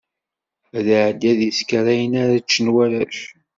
Ad iɛeddi ad isker ayen ara ččen warrac.